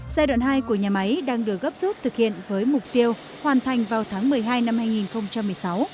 giai đoạn hai của nhà máy đang được gấp rút thực hiện với mục tiêu hoàn thành vào tháng một mươi hai năm hai nghìn một mươi sáu